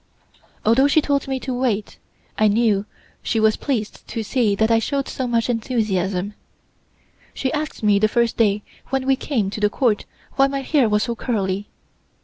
Although she told me to wait, I knew she was pleased to see that I showed so much enthusiasm. She asked me the first day when we came to the Court why my hair was so curly.